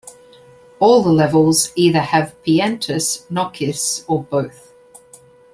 All the levels either have Piantas, Nokis or both.